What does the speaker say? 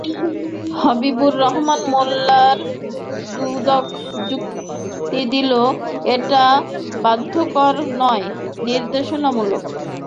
হাবিবুর রহমান মোল্লার মামলায় দুদক যুক্তি দিল, এটা বাধ্যকর নয়, নির্দেশনামূলক।